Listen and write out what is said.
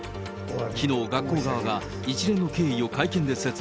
きのう、学校側が一連の経緯を会見で発表。